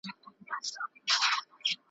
افغانان غواړي په یوه لوی پارک کي !.